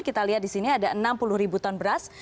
kita lihat di sini ada enam puluh ribu ton beras